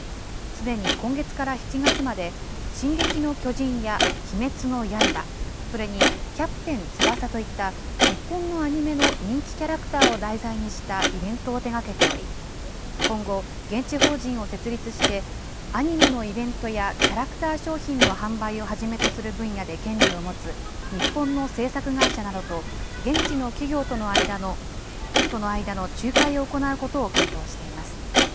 すでに今月から７月まで、進撃の巨人や鬼滅の刃、それにキャプテン翼といった日本のアニメの人気キャラクターを題材にしたイベントを手がけており、今後、現地法人を設立して、アニメのイベントやキャラクター商品の販売をはじめとする分野で権利を持つ日本の制作会社などと、現地の企業との間の仲介を行うことを検討しています。